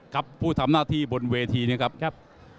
ครับผู้ทำหน้าที่บนเวทีเนี่ยครับ